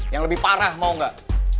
yang lebih parah mau nggak